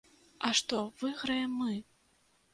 А што выйграем мы?